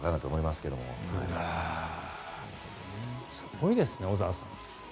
すごいですね、小澤さん。